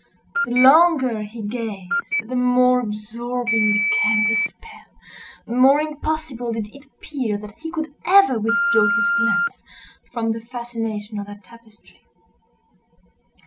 The longer he gazed the more absorbing became the spell—the more impossible did it appear that he could ever withdraw his glance from the fascination of that tapestry.